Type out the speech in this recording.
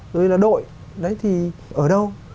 rồi là đội đấy thì ở đâu